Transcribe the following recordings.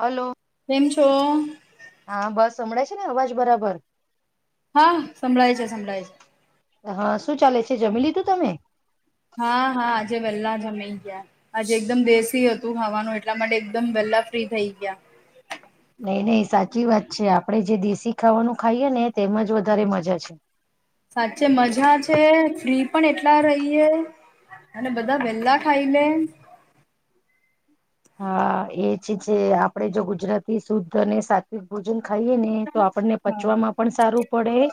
Hello, કેમ છો? હા બસ અમ ને અવાજ બરાબર. હા સંભળાાય છે સંભળાાય છે. હા શું ચાલે છે જમી લીધું તમે? હા હા આજે વેહેલા જમી ગયા, આજે એકદમ દેશી હતું ખાવાનું એટલા માટે એકદમ વેહલા ફ્રી થઇ ગયા. નહી નહી સાચી વાત છે આપડણે જે દેશી ખાવાનું ખાઈએ ને તેમાંજ વધારે મજા છે. સાચે મજા છે ફ્રી પણ એટલા રહીએ અને બધા વેલા ખાઈ લે. હા એ જ છે આપડે જો ગુજરાતી શુદ્ધ અને સાત્વિક ભોજન ખાઈએ ને તો આપણને હા પચવામાં પણ સારું પડે,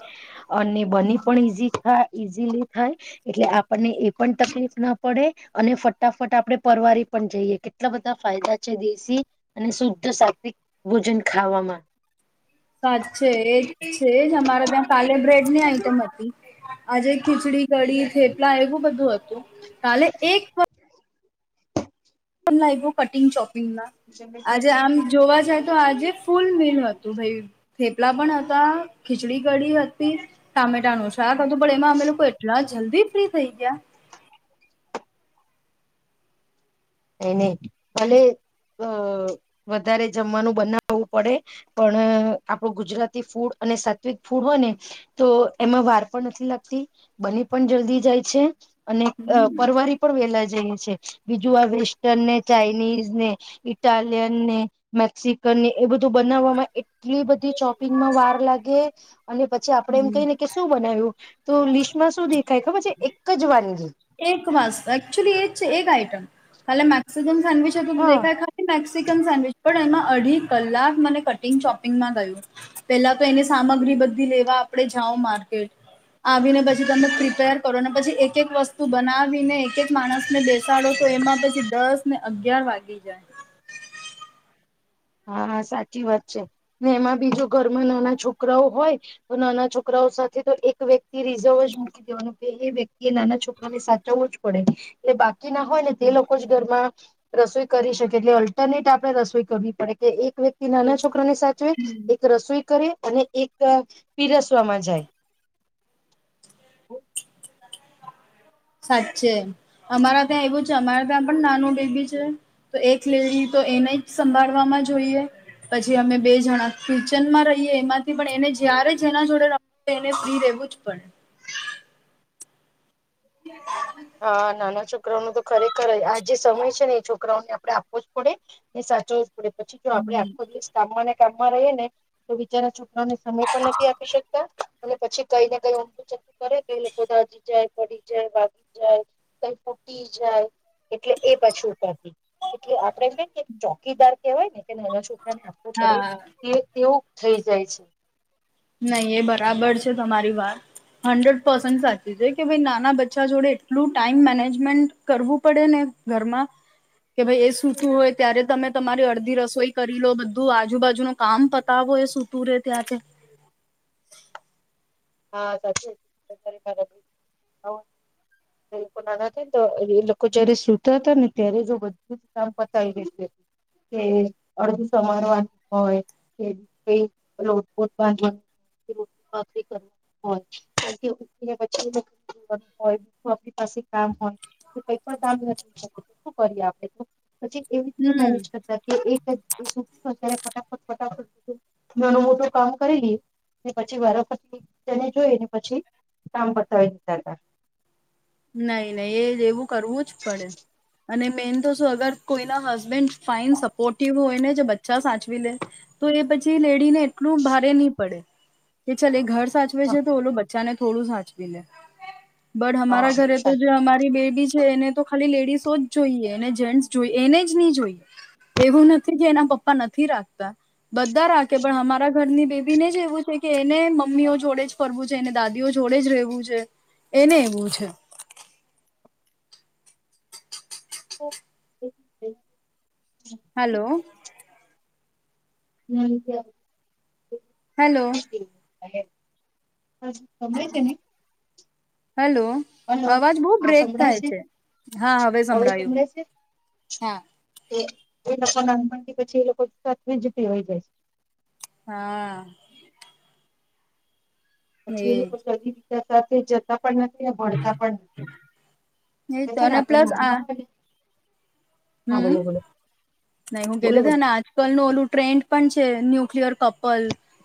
અને બની પણ ઈઝી થાય. ઈઝીલી થાય, એટલે આપણને એ પણ તકલીફ ના પડે, અને ફટાફટ આપડણે પરવારી પણ જઈએ કે એટલા બધા ફાયદા છે દેશી અને શુદ્ધ સાત્વિક ભોજન ખાવામાં. સાચ છેે એજ છે જ અમારે ત્યાં સાલેબ્રેટ બ આઈટમ હતી, આજે ખીચડી ગડી થેપલા એવું બધું હતું, કાલે એક તમું કટિંગ ચોક આજે આમ જોવા છે તો આજે ફૂલ દિલ હતું ભાઈ. ફેપલા પણ હતા ખીચડી કડી હતી, ટામેટા છે આ કધુ ભળ એમાં અમે લોકો એટલા જ જલ્દી પફ્રી થઈ ગયા. એને ભલે અ વધારે જમવાનું બનાવવું પડે, પણ આપણું ગુજરાતી ફૂડ અને સાત્વિક ફૂડ હોય ને, તો એમાં વાર પણ નથી લાગતી, બની પણ જલ્દી જાય છે. અને પરવારી પણ વેલા જઈએ છે. બીજું વા વેસ્ટર્ન ને ચાઇનીઝ ને ઇટાલિયન ને મેક્સિકન ને એ બધું બનાવવામાં એટલી બધી શોપિંગમાં વાર લાગે અને પછી આપડે એમ કહીને કે શું બનાવ્યું તો લિસ્ટમાં શું દેખાય ખબર છે એક જ વાનગી મ મેમમ સન્ડવચ તું હા દેખાય ખાલી મેક્સિકન સેડવિચ પણ એમાં અઢી કલાક મને કટિંગ શોપિંગમાં ગયું પેલા તો એની સામગ્રી બધી લેવા આપડે જાઓ માર્કેટ. આવીને પછી તમે પ્રિપેર કરોને પછી એક એક વસ્તુ બનાવીને એક એક માણસને બેસાડો તો એમાં પછી દસ ને અગિયાર વાગી જાય. હા હા સાચી વાત છે ને એમાં બીજ ઘરમાં નાના છોકરાઓ હોય તો નાના છોકરાઓ સાથે તો એક વ્યક્તિ રિઝર્વ જ મૂકી દેવાનો કે એ વ્યક્તિ એ નાના છોકરાઓને સાચવવો જ પડે એ બા કી ના હોય ને તે જાય લોકો જ ઘરમાં રસોઈ કરી શકે એટલે અલ્ટરનેટ આપડે રસોઈ કરવી પડે. જે એક વ્યક્તિ નાના છોકરા ની સાચવે એક રસોઈ કરે. અને એક પીરસવામાં જાય. સાચે અમારા ત્યાં એવું છે અમારે ત્યાં પણ નાનું બેબી છે તો એક લેડી તો એને જ સંભાળવામાં જોઈએ પછી અમે બે જણા કિચન માં રહીએ એમાંથી પણ એને જ્યારે જેના જોડે એને ફ્રી રહેેવું જ પડે. ક્યાં હા નાના છોકરાઓનો તો ખરેખર આ જે સમય છે ને એ છોકરાઓને આપડે આપવો જ પડે ને સાચું પડે પછી જો આપડે હમ. આખો દિવસ કામાના કામમાં રહી ને તો બીચારા છૂકરાને સમય પણ નથી આપી શકતા અને પછી કઈ ને કઈ ઊું ચું કરે કઈ લોકો દાજીી જાય પડી જાય વા જાય પહી પૂટી જાય એટલે એ પછી ઉપરથી એટલે આપડે છે ને ચોકીદાર કેવાય ને કે નાના છો આપવો પડે હા તે તેઓ થઈ જાય છે. નહી એ બરાબર છે તમારી વાત હંડ્રેડ પર્સેન્ટ સાચી છે કે ભાઈ નાના બચ્ચા જોડે એટલું ટાઈમ મેનેજમેન્ટ કરવું પડે ને ઘરમાં કે ભ એ સૂતું હોય ત્યારે તમે તમારી અડધી રસોઈ કરી લો બધું આજુબાજુનું કામ પતાવો એ સૂતું રહે ત્યાં તે. [inaudible] હા લોકો નાના તો એ લોકો જોડે સુતો હતો ને ત્યારે જો બધું જ કામ પતાવી દેય છે કે અડધું સમારવાનું હોય કે [unintelligible] [inaudible] આપ પાસે કામ હોય કઈ પણ કામ નથી શું કરી આપે તો પછી એવી રીતે હમ મેનેજ કરતા કે એક જ [unintelligible] ફટાફટ ફટાફટ ને મોટું કામ કયરી પછી વારાફરતી. તેને જોઈને પછી કામ પતાવી દેતા હતા. નહી નહી એ જેવું કરવું જ પડે અને મેન તો શું અગર કોઈના હસબેન્ડ ફાઈન સપોર્ટિવ હોયને જે બચ્ચા સાચવી લે તો એ પછી લેડીને એટલું ભારે નહી પડે કે ચલ એ ઘર સાચવે હા છે તો ઓલો બચ ચા ને થોડું સાચવી લે. બડ હમારા. હા તો જો અમારી. બેબી છે એને તો ખાલી લેડીસો જ જોઈએ એને જેન્ટ્સ જોઈએ એને જ ની જોઈ એવું નથી કે એના પપ્પા નથી રાખતા બધા રાખે પણ અમારા ઘરની બેબીને જ એવું છે કે, એને મમ્મીઓ જોડે જ ફરવું છે એને દાદીઓ જોડે જ રહેેવું છે એને એવું છે. ઓ [inaudible] હલો. હમ કેમ. હલો. હ સંભળાય છે ને. હેલો હલો અવાજ બઉ આ બ્રેક સંભળાય થાય છે હા હવે સંભળાયું સંભળાય છે હા. એ એ લોકો નાનપણથી પછી એ લોકો સાવીજી હોય જાય છે. હા. પછી એ લોકો એજ [inaudible] સાથે જતા નથી ને ભણતા પણ એ નથી ને તને આપણે પ્લસ આ નાના હોયને હમ નહી હું બોલો કતી બોલો તને આજ કલ નું ઓલું ટ્રેન્ડ પણ છે ન્યુક્લયર કપલ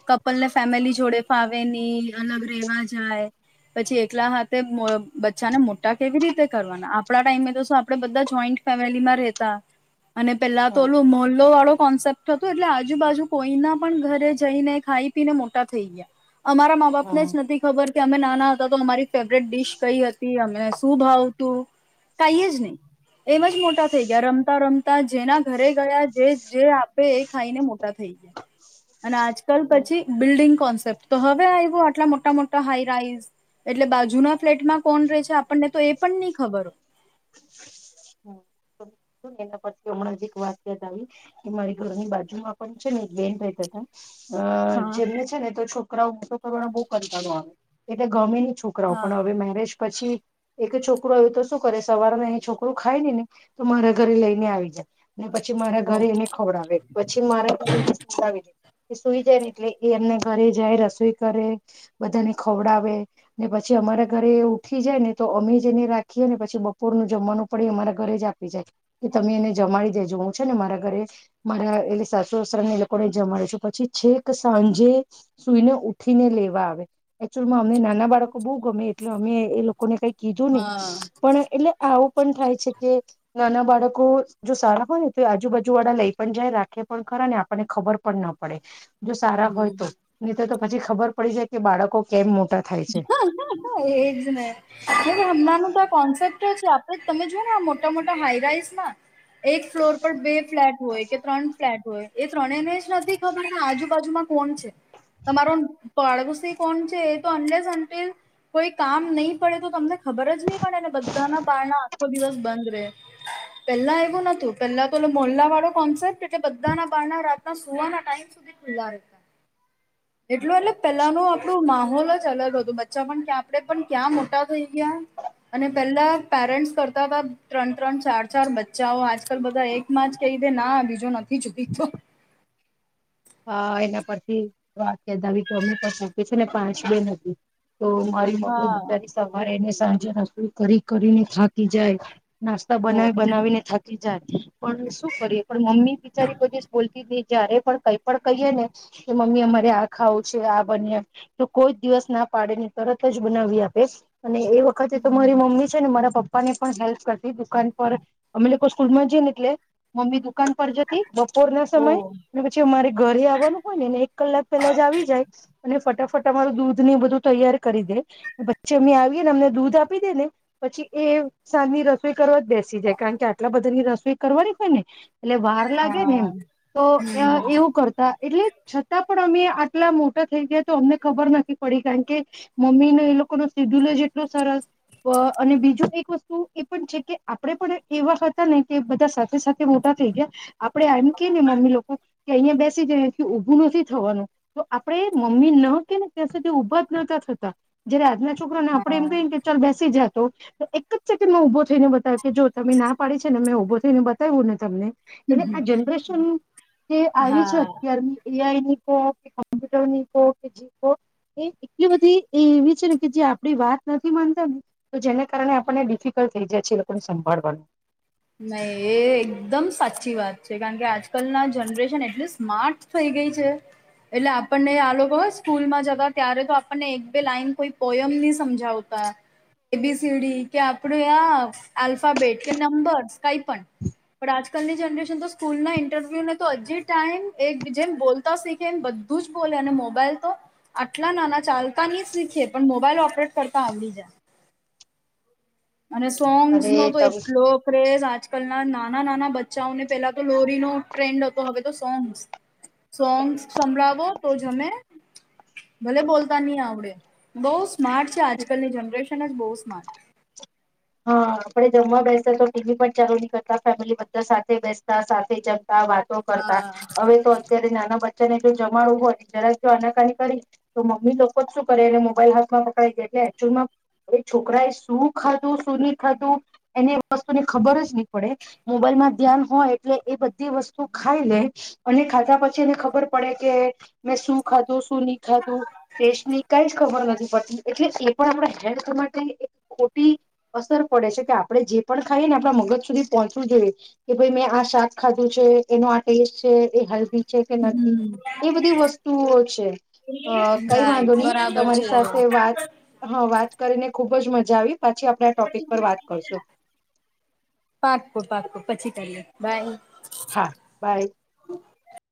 કપલ ને ફેમિલી જોડે ફાવે નની અલગ રેવા જાય પછી એકલા હાથે બચ્ચાને મોટા કેવી રીતે કરવાના આપડા ટાઈમે તો શ આપડે બધા જોઈન્ટ ફેમિલીમાં રહેતા અને પેલા તો હા ઓલલો મોલો વાળો કોન્સેપ્ટ હતો એટલે આજુબાજુ કોઈના પણ ઘરે જઈને ખાઈ પીને મોટા થઈ ગયા. અમારા મા બાપ ને હા જ નથી ખબર અમે ના હતા તો અમારી ફેવરેટ ડીશ કઈ હતી અમને શું ભાવતું કઈ જ નહી એમજ મોટા થઈ ગયા રમતા રમતા જેના ઘરે ગયા જે જે આપે એ ખાઈને મોટા થઈ ગયા. અને આજકાલ હા પછી બિલ્ડિંગ કોન્સેપ્ટ તો હવે આવ્યું આટલા મોટા મોટ હાઈરાઈઝ એટલે બાજુના ફ્લેટમાં કોણ ર છે આપણને તો એ પણ નહી ખબર. ને એના પર થી હમણાં જ એક વાત યાદ આવી કે મારી ઘરની બાજુમાં પણ છે ને એક બેન રહેતા હતા અ હોય. જેમને છે ને તો છો છોકરા ટો કરવાને બઉુ કંટાળો આવે એટલે ગમેની હા છોકરાઓ પણ હા હવે મેરેજ પછી એક છોકરોું આવ્યું તો શું કરે સવારને એ છોકરું ખાય ને ને તો મારા ઘરે લઈને આવી જાય ને પછી મારા ઓ ઘરે એને ખવડાવે પછી મારા [unintelligible] એ સુઈ જાય ને એટલે એ એમને ઘરે જાય રસોઈ કરે બધાને ખવડાવે ને પછી અમારા ઘરે ઉઠી જાય ને તો અમે જે એને રાખીએ ને પછી બપ પોરે નું જમવાનું પડે અમારા ઘરે જ આપી જાય કે તમે એને જમાડી દેજો હું છે ને મારા ઘરે મારા એટલે સાસુ સસરાને એ લોકોને જમાડ છું પછી છેક સાંજે સુઈને ઉઠીને લેવા આવે. એકચુઅલમાં અમને નાના બાળકો બહુ ગમે એટલે અમે એ લોકોને કઈક કીધું નહી હા પણ એટલે પણ થાય છે કે નાના બાળકો જો સારા હોય ને તો આજુબાજુ વાળા લઈ પણ જાય રાખે પણ ખરા આપણને ખબર પણ ના પડે જો સારા હોય હમ તો નહીં તર તો પછી ખબર પડી જ કે બાળકો કેમ મો [unintelligible] એજ ને હમણાં ન તો કોન્સેપ્ટ આપડે તમે જોઓ ને મોટા મોટા હાઈરાઈસ માં એક ફ્લોર પર બે ફ્લેટ હોય કે ત્રણ ફ્લેટ હોય. એ ત્રણે ને જ નથી ખબર ને આજુબાજુમાં કોણ છે, તમારો પાડોશી કોણ છે એ [unintelligible] કોઈ કામ નહી પડે તો તમને ખબર જ નહી પડે ને બધાના બારણા આખો દિવસ બંધ રહે, પહેલા એવું નતું પેલા તો ઓલો મોલ્લા વાળો કોન્સેપ્ટ એટલે બધાના બારણા રાતના સુવાના ટાઈમ સુધી ખુલ્લા રહેતા, એટલું એટલે પેલા નો આપણું માહોલ જ જ અલગ હતું. બચ્ચા પણ ક્યા આપણે પણ ક્યાં મોટા થઈ ગયા, અને પેલા પેરેન્ટ્સ કરતા તા ત્રણ-ત્રણ, ચાર-ચાર બચ્ચાઓ, આજકાલ બધા એકમાં જ કઈ દે ના બીજો નથી જોઈતો. હા એના પરથી વાત યાદ આવી કે અમને [unintelligible] છે ને પાંચ બેન હતી. તો મારી મમ્મી હા બેચારી સવારેને સાંજ છે રસોઈ કરી-કરીને થાકી જાય. નાસ્તા ઓ બનાવી-બનાવીને થાક કી જાય. પણ શું કરીએ પણ મમ્મી બિચારી કોઈ દિવસ બોલતી તી જયારે પણ કઈ પણ કહીએ ને કે મમ્મી અમારે આ ખાવું છે આ બની આપ, તો કોઈ જ દિવસ ના પાડે નહી, તરત જ બનાવી આપે. અને એ વખતે તો મારી મમ્મી છે ને મારા પપ પા ને પણ હેલ્પ કરતી દુકાન પર, અમે લોકોમાં સ્કૂલ જઈએને એટલે મમ્મી દુકાન પર જતી બપોર ના ઓ સમયે, ને પછી અમારી ઘરે આવવાનું હોય ને એને એક કલાક પેલા જ આવી જાય, અને ફટાફટ અમારું દૂધ ને એ બધું તૈયાર કરી દે, પછી અમે આવીએને અમને દૂધ આપી દે ને, પછી એ સાંજ ની રસોઈ કરવા જ બેસી જાય, કારણ કે આટલા બધાની રસોઈ કરવાની છે ને એટલે વાર લાગે ને એમ, તો અહ એવું કર એટલે છતાં પણ અમે આટલા મોટા થઈ ગયા તો અમને ખબર નથી પડી કારણ કે મમ્મીને એ લોકો નો સેડ્યલ જ એટલો સરસ અને અહ બીજું એક વસ્તુ એ પણ છે કે આપડે પણ એવા હતા ને કે બધા સાથે-સાથે મોટા થઈ ગયા આપડે એમ કે ને મમ્મી લોકો કે અયા બેસ સી જે ઉભું નથી થવાનું, તો આપડે મમ્મી ન કે ને ત્યાં સુધી ઊભા જ નતા થતા જયારે આજના છોકરા ને આપડે એમ હા કહી ને કે ચલ બેસી જા તો એક જ સેકન્ડ મા ઉભો થઈને બતાવે કે જો તમે ના પાડી છે ને મેં ઉભો થઈને બતાયવું ને તમને. એટલે આ જનરેશન જે આવી છે હા એ આઈ ની કહો કે કોમ્પ્યુટર ની કહો કે જી કહો એ એટલી બધી એ એવી છે ને કે જે આપડી વાત નથી માનતા ને તો જેને કારણે આપણને ડિફિકલ્ટ થઈ જાય છે એ લોકોને સંભાળવાનું. નહી એ એકદમ સાચી વાત છે. કારણ કે આજકાલ ના જનરેશન એટલી સ્માર્ટ થઈ ગઈ છે, એટલે આપણને આ લોકો સ્કૂલમાં જતા ત્યારે તો આપણને એક બે લાઈન કોઈ પોયમ નહી સમજાવતા, એ બી સી ડી કે આપડે આ આલ્ફાબેટ કે નંબર કાઈ પન, પણ આજકાલની જનરેશન તો સ્કૂલ ના ઇન્ટરવ્યુને તો હજી ટાઈમ એક જેમ બોલતા શીખે એમ બધું જ બોલે, અને મોબાઈલ તો આટલા નાના ચાલતા ની શીખે પણ મોબાઈલ ઓપરેટ કરતા આવડી જાય. અને સોંગ્સ અરે નો તો તમે એટલો ક્રેઝ આજ કલના નાના-નાના બચ્ચાઓને પેલા તો લોરીનો ટ્રેન્ડ હતો, હવે તો સોંગ્સ. સોંગ્સ સંભળાવો તો જમે, ભલે બોલતા નહી આવડે. બઉ સ સ્માર્ટ છે આજકાલની જનરેશ ન જ બહુ સ્માર્ટ હા આપણે જમવા બેસતા તો ટી વી પણ ચાલુ નહી કરતા, ફેમિલી બધા સાથે બેસતા સાથે જમ તા, વાતો કરતા હા હવે તો અત્યારે નાના બ ચ્ચાને જો જમાડું હોય જરાક જો આનાકાની કરી તો મમ્મી લોકો જ શું કરે એને મોબાઈલ હાથમાં પકડાઈ દે, એટલે એકચ્યુલમાં એ છોકરા એ શું ખાધ તો સુનિલ ખાતું એની વસ્તુને ખબર જ નહી પડે મોબાઈલમાં ધ્યાન હોય એટલે એ બધી વસ્તુ ખાઈ લે અને ખાતા પછી એને ખબર પડે કે મેં શું ખાધું શું નહી ખાતું ટેસ્ટ ની કઈ જ ખબર નથી પડતી એટલે એ પણ આપણા હેલ્થ માટે એક ખોટી અસર પડે છે કે આપડણે જે પણ ખાઈએ ને આપણા મગજ સુધી પહોંચવું જોઈએ કે ભાઈ મેં આ શાક ખાધું છે એનો આ ટેસ્ટ છે એ હેલ્દિ જે કે નથી હમ એ બધી વસ્તુઓ છે કઈ વાંધો રાઈટ નહી બરાબર છે તમારી સાથે વાત હ વાત કરીને ખુબ જ મજા આવી પાછી આપણે આ ટોપિક પર વાત કરશું પાક પા પછી કરીએ બાય હા બાય [inaudible]